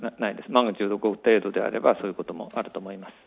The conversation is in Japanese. マグニチュード５程度であれば、そういうこともあると思います。